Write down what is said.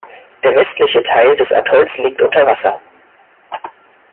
Der westliche Teil des Atolls liegt unter Wasser.